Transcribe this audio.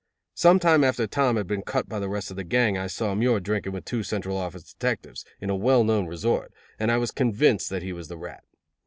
Some time after Tom had been cut by the rest of the gang I saw Muir drinking with two Central Office detectives, in a well known resort, and I was convinced that he was the rat.